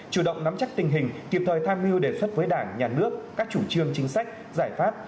chủ động nắm chắc tình hình kịp thời tham mưu đề xuất với đảng nhà nước các chủ trương chính sách giải pháp